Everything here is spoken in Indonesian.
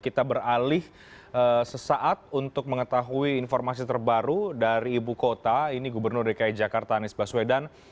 kita beralih sesaat untuk mengetahui informasi terbaru dari ibu kota ini gubernur dki jakarta anies baswedan